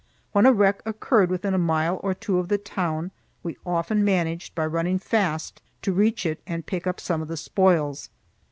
When a wreck occurred within a mile or two of the town, we often managed by running fast to reach it and pick up some of the spoils.